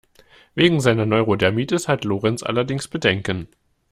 Wegen seiner Neurodermitis hat Lorenz allerdings Bedenken.